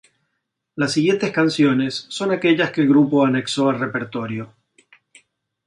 Las siguientes canciones, son aquellas que el grupo anexo al repertorio